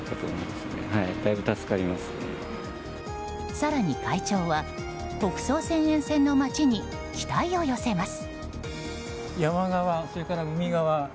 更に会長は北総線沿線の街に期待を寄せます。